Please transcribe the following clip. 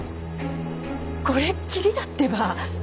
これっきりだってば。